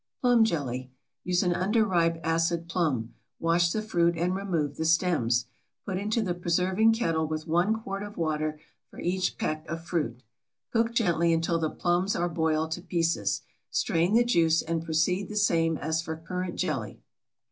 PLUM JELLY. Use an underripe acid plum. Wash the fruit and remove the stems. Put into the preserving kettle with 1 quart of water for each peck of fruit. Cook gently until the plums are boiled to pieces. Strain the juice and proceed the same as for currant jelly.